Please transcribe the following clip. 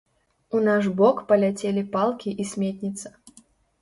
У наш бок паляцелі палкі і сметніца.